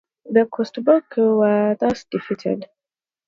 The Costoboci were thus defeated.